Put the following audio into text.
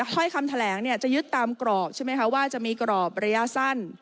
ถ้อยคำแถลงจะยึดตามกรอบใช่ไหมคะว่าจะมีกรอบระยะสั้น